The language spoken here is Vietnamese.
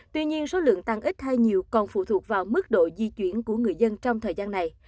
tuy nhiên số lượng tăng ít hay nhiều còn phụ thuộc vào mức độ di chuyển của người dân trong thời gian này